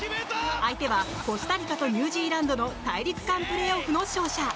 相手は、コスタリカとニュージーランドの大陸間プレーオフの勝者。